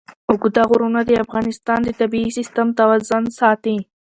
اوږده غرونه د افغانستان د طبعي سیسټم توازن ساتي.